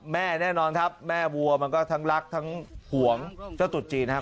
แน่นอนครับแม่วัวมันก็ทั้งรักทั้งห่วงเจ้าตุดจีนนะครับ